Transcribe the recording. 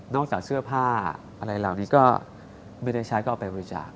จากเสื้อผ้าอะไรเหล่านี้ก็ไม่ได้ใช้ก็เอาไปบริจาค